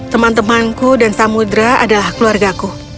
teman temanku dan samudera adalah keluargaku